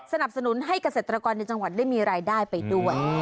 สนับสนุนให้เกษตรกรในจังหวัดได้มีรายได้ไปด้วย